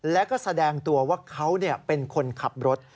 แล้วก็แสดงตัวว่าเขาเป็นคนขับรถ